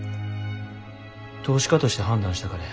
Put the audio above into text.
投資家として判断したからや。